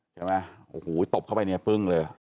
ใช่ไหมโอ้โหตบเข้าไปเนี่ยปึ้งเลย